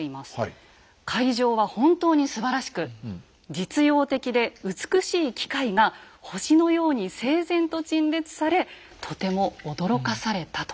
「会場は本当にすばらしく実用的で美しい機械が星のように整然と陳列されとても驚かされた」と。